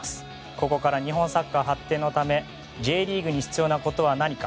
ここから日本サッカー発展のためＪリーグに必要なことは何か。